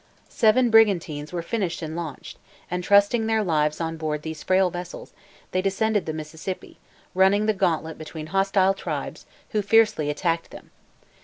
Seven brigantines were finished and launched; and, trusting their lives on board these frail vessels, they descended the Mississippi, running the gantlet between hostile tribes, who fiercely attacked them.